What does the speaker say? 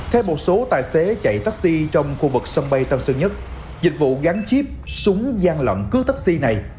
theo một số tài xế chạy taxi trong khu vực sân bay tân sơn nhất dịch vụ gắn chip súng gian lặng cứ taxi này